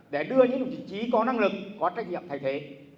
để đưa những vị trí có năng lực có trách nhiệm thay thế